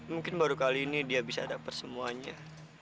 mungkin baru kali ini dia bisa dapat semuanya